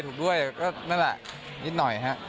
ถูกด้วยก็นั่นแหละนิดหน่อยฮะ